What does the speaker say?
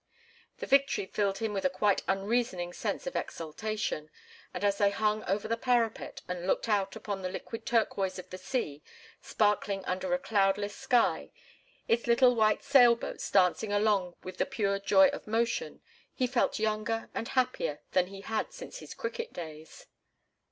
The victory filled him with a quite unreasoning sense of exultation, and as they hung over the parapet and looked out upon the liquid turquoise of the sea, sparkling under a cloudless sky, its little white sail boats dancing along with the pure joy of motion, he felt younger and happier than he had since his cricket days.